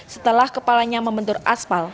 setelah kepalanya membentur aspal